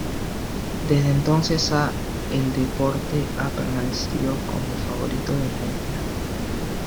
Desde entonces ha el deporte ha permanecido como el favorito de la isla.